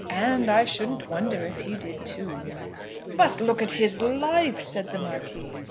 "And I shouldn't wonder if he did, too." "But look at his life," said the Marquis.